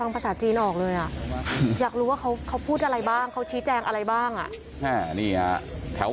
ไปตรวจสอบเรื่องนี้ให้หน่อยนะครับ